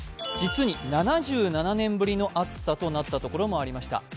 実に７７年ぶりの暑さとなったところもありました。